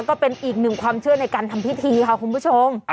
ก็เป็นอีกหนึ่งความเชื่อในการทำพิธีค่ะคุณผู้ชม